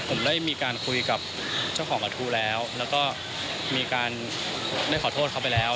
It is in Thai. ผมได้มีการคุยกับเจ้าของกระทู้แล้วแล้วก็มีการได้ขอโทษเขาไปแล้ว